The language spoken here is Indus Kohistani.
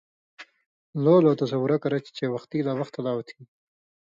لولو تصُورہ کرہ چھی چےۡ وختی وختہ لا اُتھی